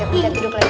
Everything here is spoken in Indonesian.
belum tidur lagi